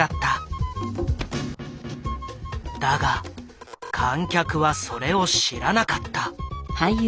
だが観客はそれを知らなかった。